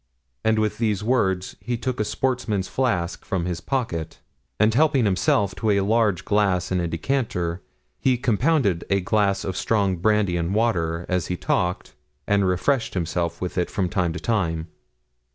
And with these words, he took a sportsman's flask from his pocket; and helping himself to a large glass and a decanter, he compounded a glass of strong brandy and water, as he talked, and refreshed himself with it from time to time.